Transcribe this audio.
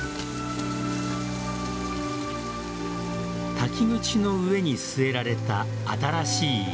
滝口の上に据えられた新しい石。